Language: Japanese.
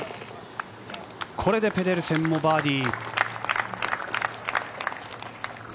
これでペデルセンもバーディー。